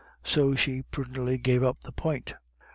So she prudently gave up the point.